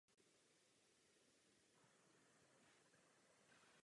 Režisérem filmu je Alan Parker.